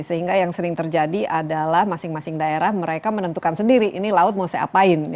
sehingga yang sering terjadi adalah masing masing daerah mereka menentukan sendiri ini laut mau saya apain